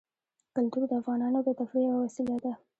کلتور د افغانانو د تفریح یوه وسیله ده.